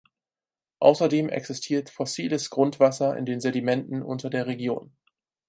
Außerdem existiert fossiles Grundwasser in den Sedimenten unter der Region.